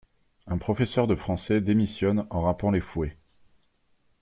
Un professeur de français démissionne en rapant les fouets.